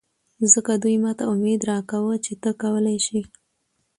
ځکه دوي ماته اميد راکوه چې ته کولې شې.